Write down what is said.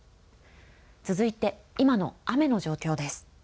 続いて今の雨の状況です。